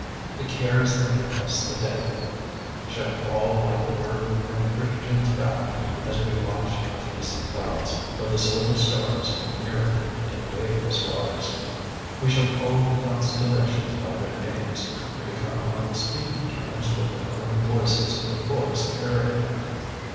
"The cares that infest the day" shall fall like the burden from Christian's back as we watch the fleecy clouds or the silver stars mirrored in the waveless waters. We shall call the constellations by their names and become on speaking terms with the luring voices of the forest fairyland.